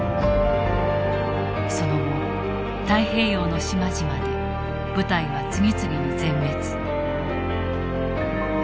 その後太平洋の島々で部隊は次々に全滅。